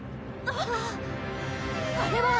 あれは！